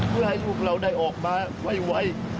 เพื่อให้ลูกเราได้ออกมาไว